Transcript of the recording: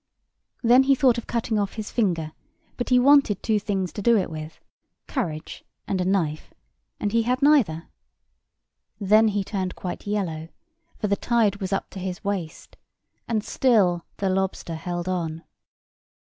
Then he thought of cutting off his finger; but he wanted two things to do it with—courage and a knife; and he had got neither. Then he turned quite yellow; for the tide was up to his waist, and still the lobster held on.